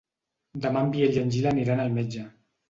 Demà en Biel i en Gil aniran al metge.